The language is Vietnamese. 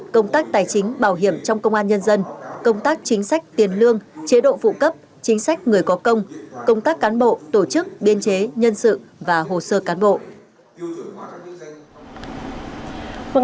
công tác tài chính bảo hiểm trong công an nhân dân công tác chính sách tiền lương chế độ phụ cấp chính sách người có công công tác cán bộ tổ chức biên chế nhân sự và hồ sơ cán bộ